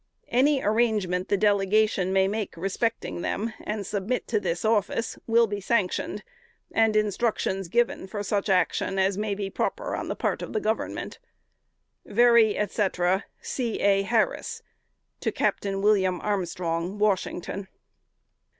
Any arrangement the Delegation may make respecting them, and submit to this office, will be sanctioned, and instructions given for such action as may be proper on the part of the Government. "Very, &c., C. A. HARRIS. Capt. WM. ARMSTRONG, Washington."